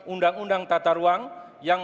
undang undang tata ruang yang